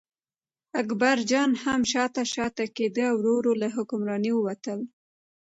اکبرجان هم شاته شاته کېده او ورو ورو له حکمرانۍ ووتل.